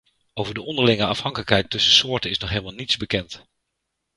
Over de onderlinge afhankelijkheid tussen soorten is nog helemaal niets bekend.